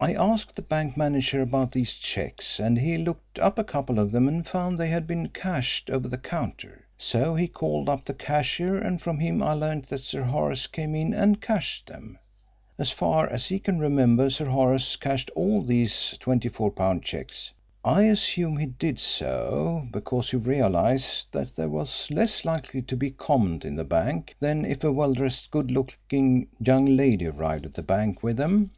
I asked the bank manager about these cheques and he looked up a couple of them and found they had been cashed over the counter. So he called up the cashier and from him I learnt that Sir Horace came in and cashed them. As far as he can remember Sir Horace cashed all these £24 cheques. I assume he did so because he realised that there was less likely to be comment in the bank than if a well dressed good looking young lady arrived at the bank with them.